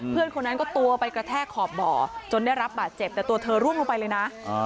เพื่อนคนนั้นก็ตัวไปกระแทกขอบบ่อจนได้รับบาดเจ็บแต่ตัวเธอร่วงลงไปเลยนะ